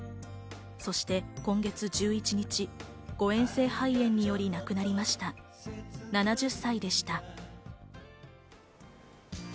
そして今月１１日、誤えん性肺炎により亡くなりました、７０歳でした。